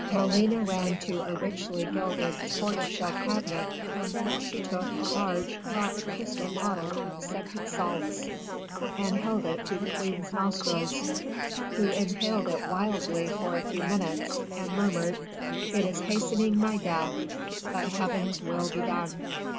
Molina ran to a richly gilded tortoise shell cabinet, from which she took a large rock crystal bottle of scented salts, and held it to the queen's nostrils, who inhaled it wildly for a few minutes, and murmured: "It is hastening my death but Heaven's will be done!"